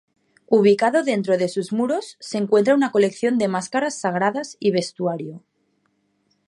Ubicado dentro de sus muros se encuentra una colección de máscaras sagradas y vestuario.